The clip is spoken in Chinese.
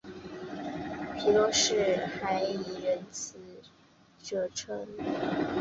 皮洛士还以仁慈着称。